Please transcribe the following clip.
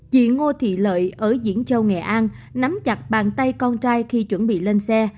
chị ngô thị lợi ở diễn châu nghệ an nắm chặt bàn tay con trai khi chuẩn bị lên xe